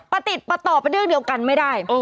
ติดประตอบเป็นเรื่องเดียวกันไม่ได้